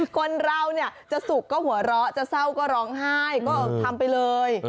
คนเราเนี่ยจะสุขก็หัวเราะจะเศร้าก็ร้องไห้ก็ทำไปเลย